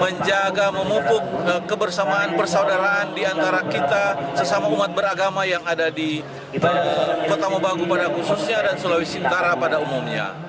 menjaga memupuk kebersamaan persaudaraan diantara kita sesama umat beragama yang ada di kota mobagu pada khususnya dan sulawesi utara pada umumnya